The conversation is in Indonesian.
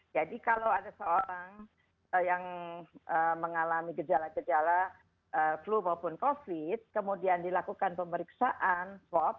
jadi kalau ada seorang yang mengalami gejala gejala flu maupun covid kemudian dilakukan pemeriksaan